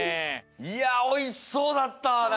いやおいしそうだった！